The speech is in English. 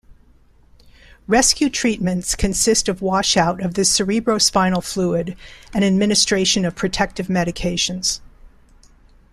Rescue treatments consist of washout of the cerebrospinal fluid and administration of protective medications.